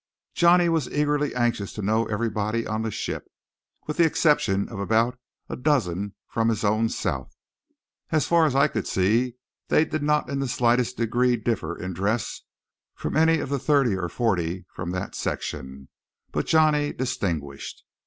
Johnny was eagerly anxious to know everybody on the ship, with the exception of about a dozen from his own South. As far as I could see they did not in the slightest degree differ except in dress from any of the other thirty or forty from that section, but Johnny distinguished.